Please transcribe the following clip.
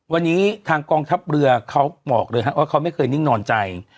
วันนี้ทางกองทัพเรือเขาบอกเลยว่าเขาไม่เคยนิ่งนอนใจ